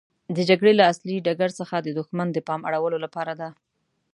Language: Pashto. د جګړې له اصلي ډګر څخه د دښمن د پام اړولو لپاره ده.